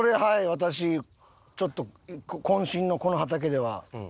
私ちょっと渾身のこの畑では。